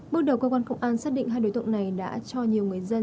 bước đầu cơ quan công an xác định hai đối tượng này đã cho nhiều người dân